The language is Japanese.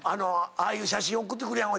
ああいう写真送ってくるやん。